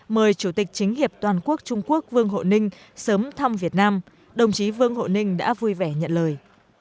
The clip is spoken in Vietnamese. mời chủ tịch chính hiệp toàn quốc trung quốc vương hộ ninh sớm thăm việt nam đồng chí vương hộ ninh đã vui vẻ nhận lời